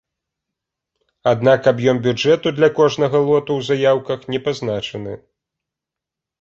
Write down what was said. Аднак аб'ём бюджэту для кожнага лоту ў заяўках не пазначаны.